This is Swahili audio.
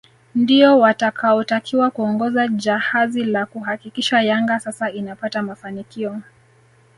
Ndio watakaotakiwa kuongoza jahazi la kuhakikisha Yanga sasa inapata mafanikio